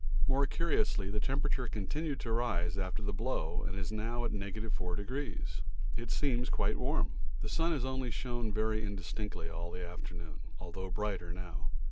More curiously the temperature continued to rise after the blow and now, at 4°, it seems quite warm. The sun has only shown very indistinctly all the afternoon, although brighter now.